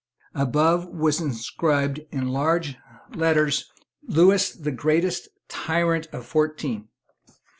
Above was inscribed, in large letters, "Lewis the greatest tyrant of fourteen."